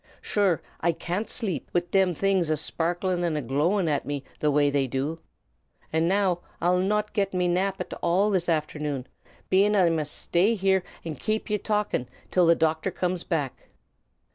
Sure, I can't shlape, wid thim things a shparklin' an' a glowerin' at me the way they do; and now I'll not get me nap at all this afthernoon, bein' I must shtay here and kape ye talkin' till the docthor cooms back.